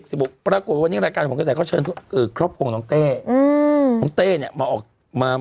อีกแล้วนะฮะ